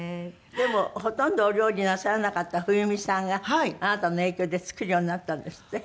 でもほとんどお料理なさらなかった冬美さんがあなたの影響で作るようになったんですって？